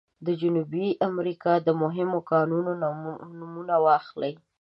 د جنوبي امریکا د مهمو کانونو نومونه واخلئ.